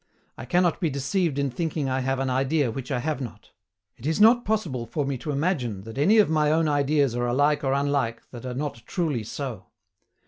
I cannot be deceived in thinking I have an idea which I have not. It is not possible for me to imagine that any of my own ideas are alike or unlike that are not truly so.